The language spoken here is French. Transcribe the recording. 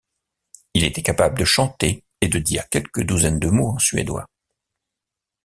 Il était capable de chanter et de dire quelques douzaines de mots en suédois.